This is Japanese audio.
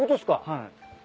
はい。